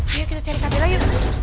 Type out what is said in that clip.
ayo kita cari kak bella yuk